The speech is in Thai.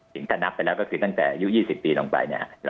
ถึงถ้านับไปแล้วก็คือตั้งแต่ยุค๒๐ปีลงไป